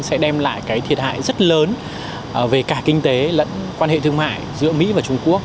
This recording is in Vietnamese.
sẽ đem lại cái thiệt hại rất lớn về cả kinh tế lẫn quan hệ thương mại giữa mỹ và trung quốc